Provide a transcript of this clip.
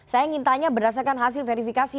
saya ingin tanya berdasarkan hasil verifikasi